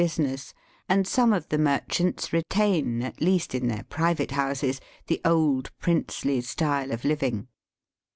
113 business, and some of the merchants retain^ at least in their private houses, the old princely style of living.